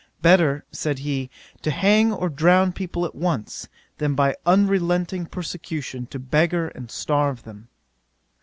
Better (said he,) to hang or drown people at once, than by an unrelenting persecution to beggar and starve them.